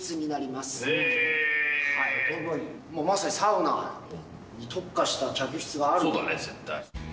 まさにサウナに特化した客室そうだね、絶対。